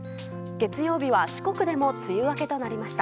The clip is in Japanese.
月曜日は四国でも梅雨明けとなりました。